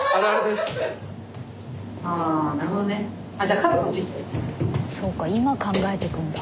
あっそうか今考えてくんだ。